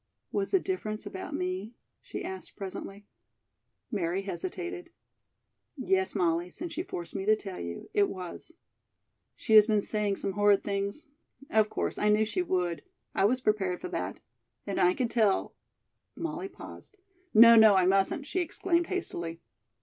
"Was the difference about me?" she asked presently. Mary hesitated. "Yes, Molly; since you force me to tell you, it was." "She has been saying some horrid things? Of course, I knew she would. I was prepared for that. And I could tell " Molly paused. "No, no, I mustn't!" she exclaimed hastily.